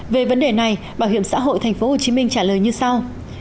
về vấn đề này bảo hiểm xã hội tp hcm trả lời như sau